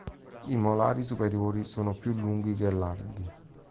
I molari superiori sono più lunghi che larghi.